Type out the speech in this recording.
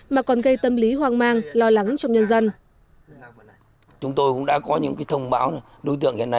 mà còn gây tâm lý hoang mang lo lắng trong nhân dân